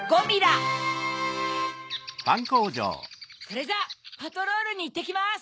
・それじゃパトロールにいってきます！